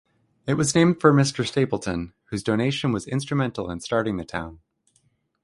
It was named for Mr. Stapleton, whose donation was instrumental in starting the town.